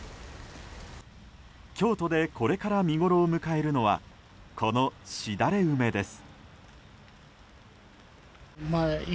京都でこれから見ごろを迎えるのはこのしだれ梅です。